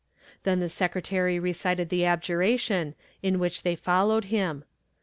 Then the secretary recited the abjuration, in which they followed him.